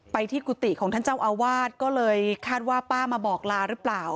ที่กุฏิของท่านเจ้าอาวาสก็เลยคาดว่าป้ามาบอกลาหรือเปล่า